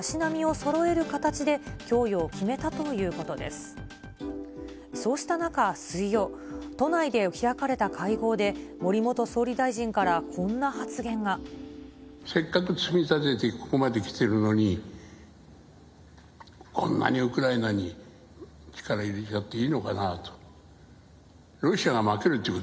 そうした中、水曜、都内で開かれた会合で、せっかく積み立ててここまできてるのに、こんなにウクライナに力入れちゃっていいのかなと。